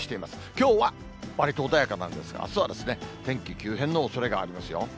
きょうはわりと穏やかなんですが、あすは天気急変のおそれがありますよ。